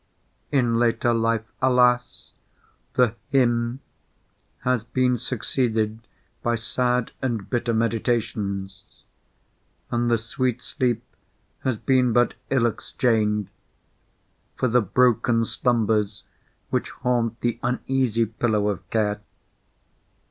In later life (alas!) the Hymn has been succeeded by sad and bitter meditations; and the sweet sleep has been but ill exchanged for the broken slumbers which haunt the uneasy pillow of care.